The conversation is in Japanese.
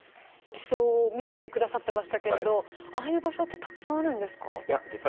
地層を見せて下さってましたけれどああいう場所ってたくさんあるんですか？